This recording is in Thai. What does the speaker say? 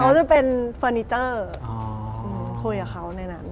เขาจะเป็นเฟอร์นิเจอร์คุยกับเขาในนั้น